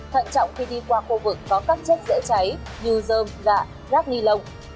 thận trọng khi đi qua khu vực có các chất dễ cháy như rơm dạ rác ni lông